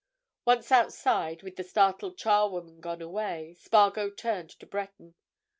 Once outside, with the startled charwoman gone away, Spargo turned to Breton.